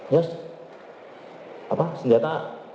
yos apa senjata